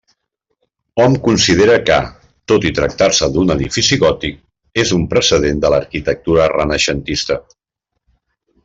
Hom considera que, tot i tractar-se d'un edifici gòtic, és un precedent de l'arquitectura renaixentista.